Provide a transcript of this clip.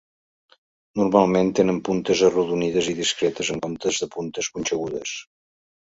Normalment tenen puntes arrodonides i discretes en comptes de puntes punxegudes.